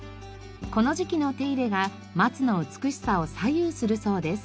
この時期の手入れが松の美しさを左右するそうです。